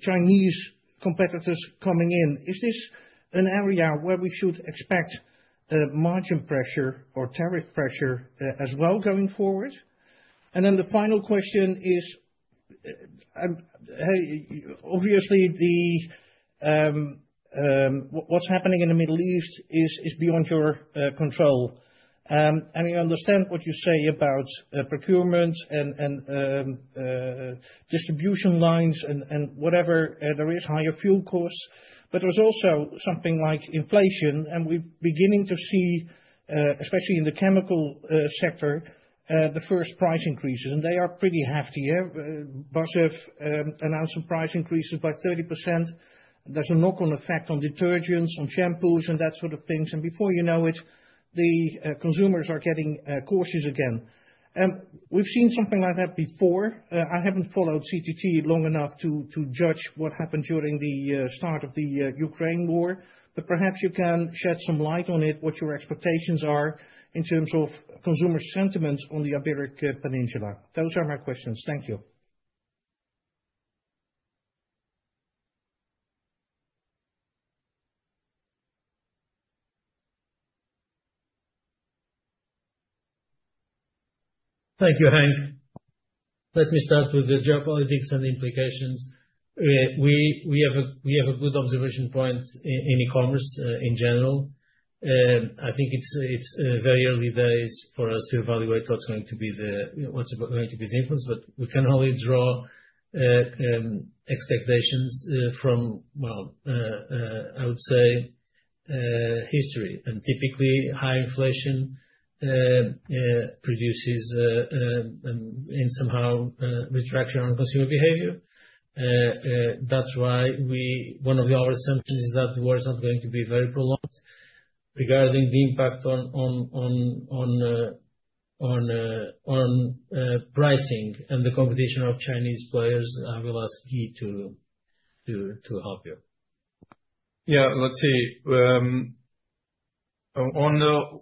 Chinese competitors coming in. Is this an area where we should expect margin pressure or tariff pressure as well going forward? The final question is, hey, obviously what's happening in the Middle East is beyond your control, and we understand what you say about procurement and distribution lines and whatever. There is higher fuel costs, but there's also something like inflation, and we're beginning to see, especially in the chemical sector, the first price increases, and they are pretty hefty. BASF announced some price increases by 30%. There's a knock-on effect on detergents, on shampoos and that sort of things. Before you know it, the consumers are getting cautious again. We've seen something like that before. I haven't followed CTT long enough to judge what happened during the start of the Ukraine war, but perhaps you can shed some light on it, what your expectations are in terms of consumer sentiments on the Iberian Peninsula. Those are my questions. Thank you. Thank you, Henk. Let me start with the geopolitics and implications. We have a good observation point in e-commerce in general. I think it's very early days for us to evaluate what's going to be the influence, but we can only draw expectations from, well, I would say, history. Typically, high inflation produces in some way retraction on consumer behavior. That's why one of our assumptions is that the war is not going to be very prolonged. Regarding the impact on pricing and the competition of Chinese players, I will ask Guy to help you. Yeah. Let's see. On the...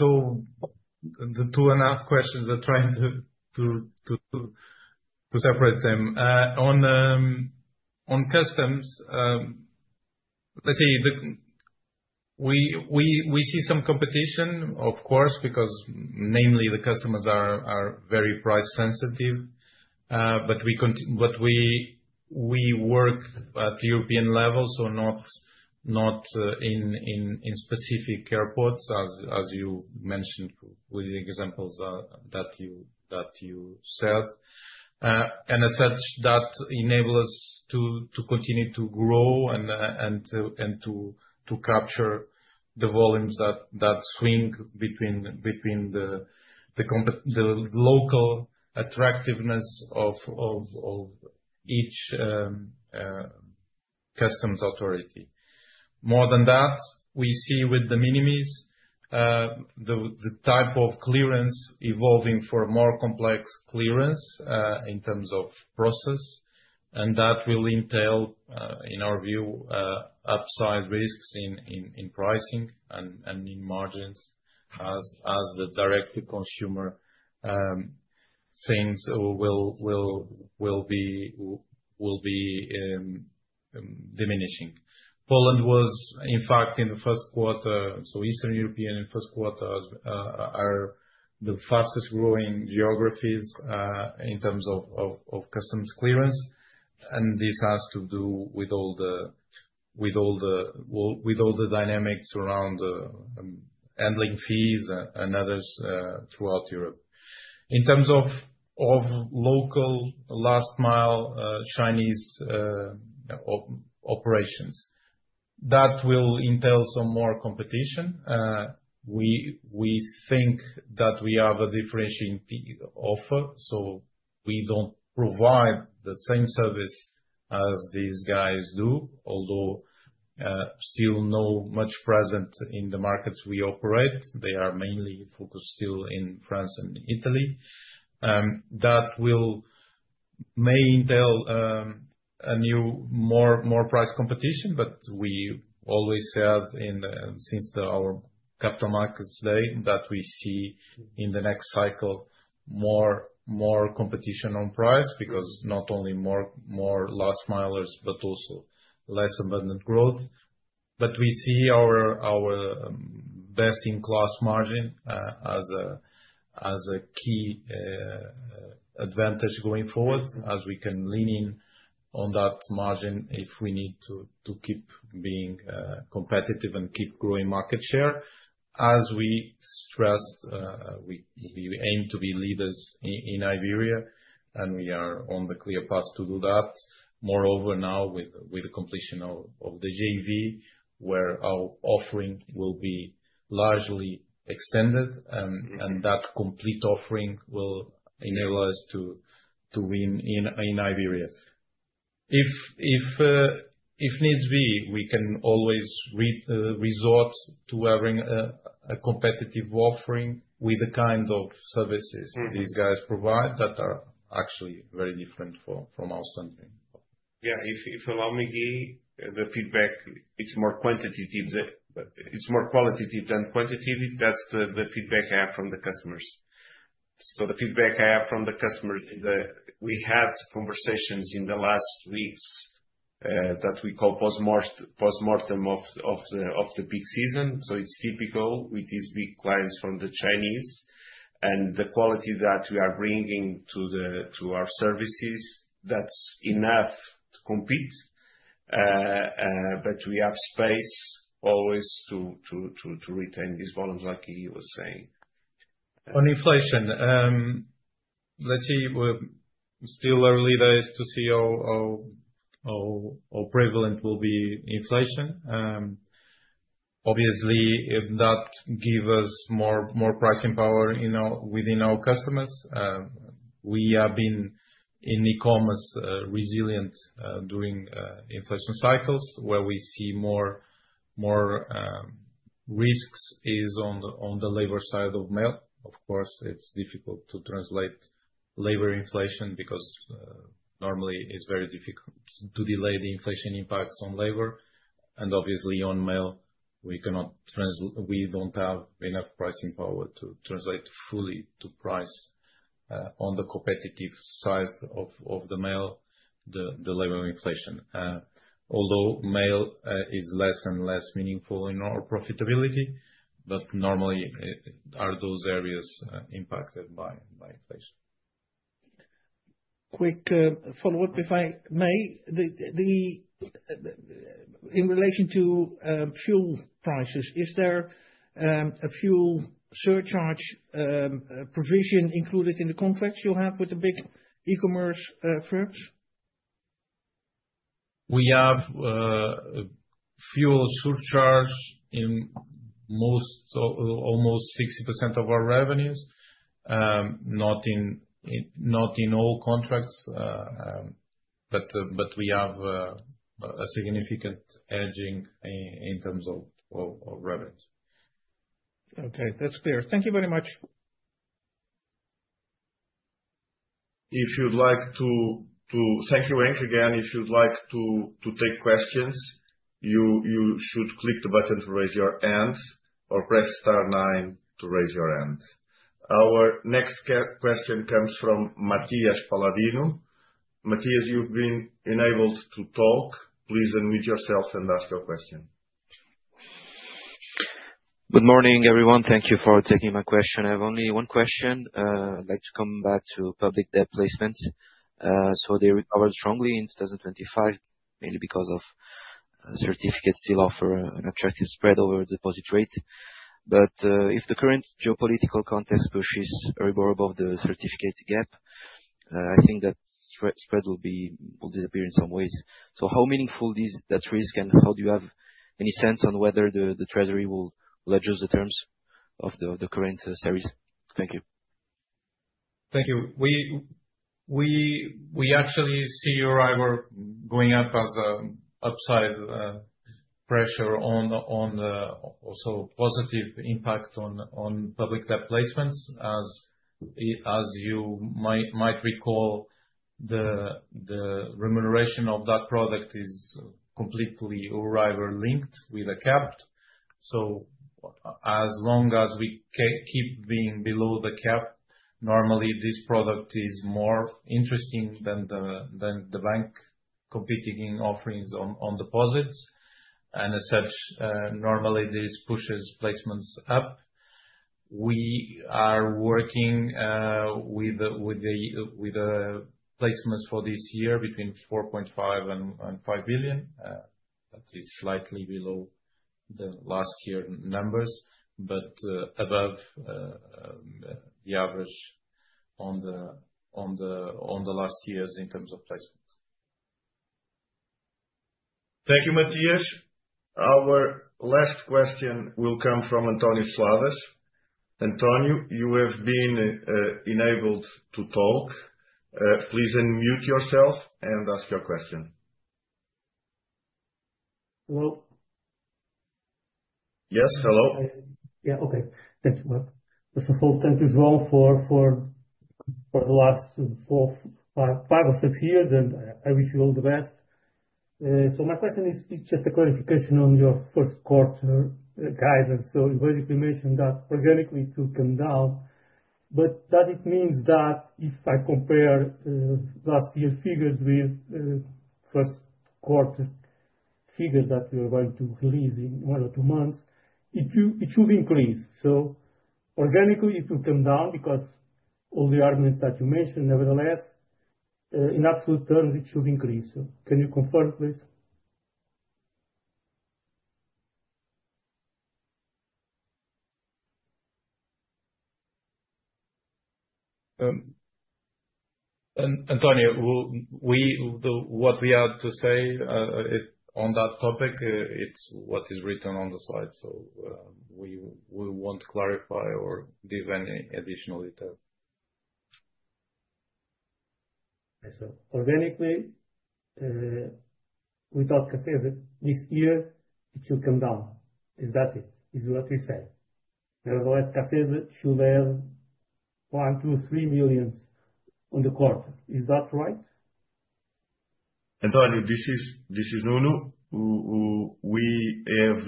2.5 questions I try and to separate them. On customs, let's say we see some competition, of course, because namely the customers are very price sensitive. But we work at European levels, so not in specific airports as you mentioned with the examples that you said. And as such, that enable us to continue to grow and to capture the volumes that swing between the local attractiveness of each customs authority. More than that, we see with the de minimis the type of clearance evolving for a more complex clearance in terms of process, and that will entail in our view upside risks in pricing and in margins as the direct-to-consumer things will be diminishing. Poland was in fact in the first quarter. Eastern European in first quarter are the fastest growing geographies in terms of customs clearance. This has to do with all the dynamics around handling fees and others throughout Europe. In terms of local last mile Chinese operations, that will entail some more competition. We think that we have a differentiating offer, so we don't provide the same service as these guys do, although still not much present in the markets we operate. They are mainly focused still in France and Italy. That may entail a new, more price competition, but we always have since our Capital Markets Day, that we see in the next cycle more competition on price because not only more last milers, but also less demand growth. We see our best-in-class margin as a key advantage going forward as we can lean in on that margin if we need to keep being competitive and keep growing market share. As we stress, we aim to be leaders in Iberia, and we are on the clear path to do that. Moreover, now with the completion of the JV, where our offering will be largely extended and that complete offering will enable us to win in Iberia. If needs be, we can always resort to having a competitive offering with the kinds of services these guys provide that are actually very different from our standpoint. Yeah. If you'll allow me, Guy, the feedback, it's more qualitative than quantitative. That's the feedback I have from the customers. We had conversations in the last weeks that we call post-mortem of the peak season. It's typical with these big clients from the Chinese and the quality that we are bringing to our services. That's enough to compete. We always have space to retain these volumes like Guy was saying. On inflation, let's see. We're still in early days to see how prevalent inflation will be. Obviously, if that gives us more pricing power with our customers, we have been resilient in e-commerce during inflation cycles where we see more risks on the labor side of mail. Of course, it's difficult to translate labor inflation because normally it's very difficult to delay the inflation impacts on labor and obviously on mail, we don't have enough pricing power to translate fully to price on the competitive side of the mail, the labor inflation. Although mail is less and less meaningful in our profitability, but normally are those areas impacted by inflation. Quick follow-up, if I may. In relation to fuel prices, is there a fuel surcharge provision included in the contracts you have with the big e-commerce firms? We have fuel surcharge in most almost 60% of our revenues. Not in all contracts, but we have a significant hedging in terms of revenues. Okay, that's clear. Thank you very much. Thank you, Henk Slotboom. Again, if you'd like to take questions, you should click the button to raise your hand or press star nine to raise your hand. Our next question comes from Mathias Paladino. Mathias, you've been enabled to talk. Please unmute yourself and ask your question. Good morning, everyone. Thank you for taking my question. I have only one question. I'd like to come back to public debt placements. They recovered strongly in 2025, mainly because certificates still offer an attractive spread over deposit rate. If the current geopolitical context pushes EURIBOR above the certificate cap, I think that spread will disappear in some ways. How meaningful is that risk, and how do you have any sense on whether the Treasury will adjust the terms of the current series? Thank you. Thank you. We actually see Euribor going up as upside pressure on the also positive impact on public debt placements. As you might recall, the remuneration of that product is completely Euribor-linked with a cap. So as long as we keep being below the cap, normally this product is more interesting than the bank competing in offerings on deposits. As such, normally this pushes placements up. We are working with the placements for this year between 4.5 billion and 5 billion. That is slightly below the last year numbers, but above the average on the last years in terms of placement. Thank you, Mathias. Our last question will come from António Seladas. António, you have been enabled to talk. Please unmute yourself and ask your question. Hello? Yes. Hello. Yeah. Okay. Thanks. Well, first of all, thank you, João, for the last four, five or six years, and I wish you all the best. My question is just a clarification on your first quarter guidance. You already mentioned that organically it will come down, but that it means that if I compare last year's figures with first quarter figures that you are going to release in one or two months, it should increase. Organically it will come down because all the arguments that you mentioned, nevertheless, in absolute terms, it should increase. Can you confirm, please? António, what we have to say on that topic is what is written on the slide. We won't clarify or give any additional detail. Organically, without cases, this year it should come down. Is that it? Is what you say? Nevertheless, cases should add 1 million, 2 million, 3 million on the quarter. Is that right? António, this is Nuno. We have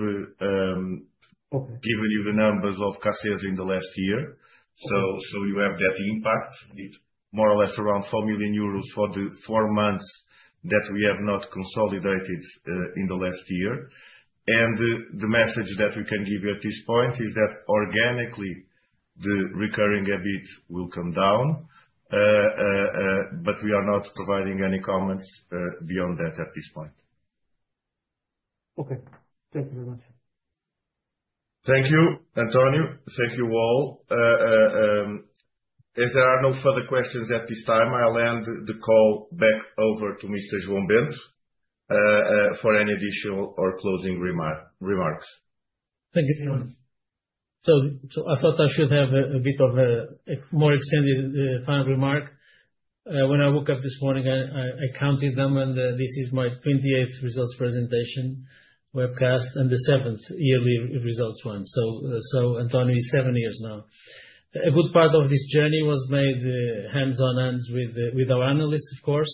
Okay. Given you the numbers of cases in the last year. You have that impact more or less around 4 million euros for the four months that we have not consolidated in the last year. The message that we can give you at this point is that organically, the recurring EBIT will come down, but we are not providing any comments beyond that at this point. Okay. Thank you very much. Thank you, António. Thank you all. If there are no further questions at this time, I'll hand the call back over to Mr. João Bento for any additional or closing remarks. Thank you, everyone. I thought I should have a bit of a more extended final remark. When I woke up this morning, I counted them and this is my 28th results presentation webcast, and the 7th yearly results one. António is seven years now. A good part of this journey was made hand in hand with our analysts, of course.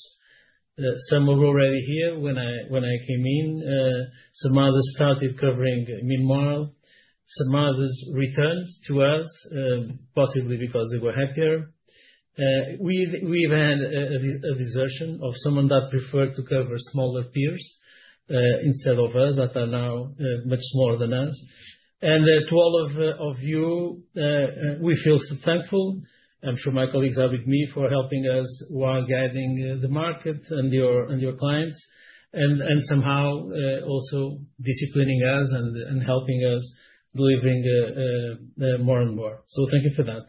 Some were already here when I came in. Some others started covering me more. Some others returned to us, possibly because they were happier. We've had a desertion of someone that preferred to cover smaller peers instead of us, that are now much smaller than us. To all of you, we feel so thankful. I'm sure my colleagues are with me, for helping us while guiding the market and your clients, and somehow more and more. Thank you for that.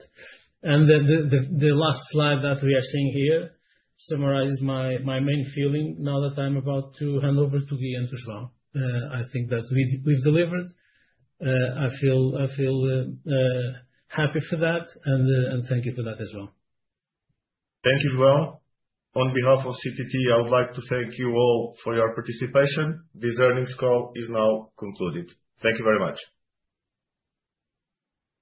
The last slide that we are seeing here summarizes my main feeling now that I'm about to hand over to Guy and João. I think that we've delivered. I feel happy for that and thank you for that as well. Thank you, João. On behalf of CTT, I would like to thank you all for your participation. This earnings call is now concluded. Thank you very much.